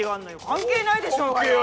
関係ないでしょうがよ！